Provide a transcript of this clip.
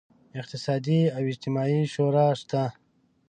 اقتصادي او اجتماعي شورا شته.